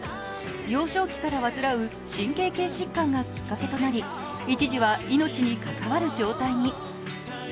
幼少期から患う神経系疾患がきっかけとなり一時は命に関わる状態に。